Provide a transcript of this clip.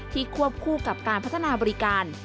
ควบคู่กับการพัฒนาบริการ